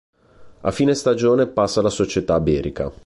A fine stagione passa alla società berica.